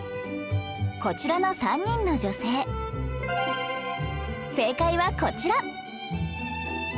こちらの３人の女性正解はこちら